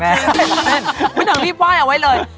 เข้าถึงให้วายเอาไว้เลย